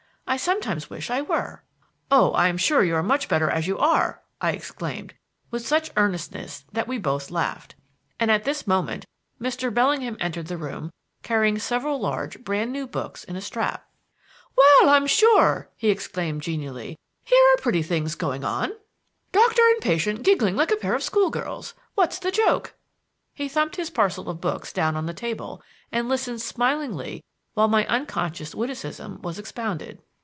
I sometimes wish I were." "Oh, I am sure you are much better as you are!" I exclaimed, with such earnestness that we both laughed. And at this moment Mr. Bellingham entered the room carrying several large brand new books in a strap. "Well, I'm sure!" he exclaimed genially; "here are pretty goings on. Doctor and patient giggling like a pair of schoolgirls! What's the joke?" He thumped his parcel of books down on the table and listened smilingly while my unconscious witticism was expounded.